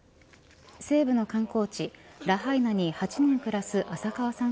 西部の観光地ラハイナに８年暮らす浅川さん